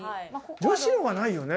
女子の方がないよね？